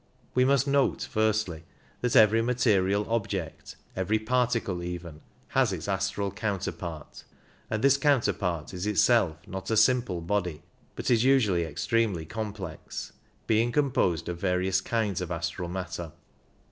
We must note first that every material object, every particle even, has its astral counter part ; and this counterpart is itself not a simple body, but is usually extremely complex, being composed of various kinds of astral matter.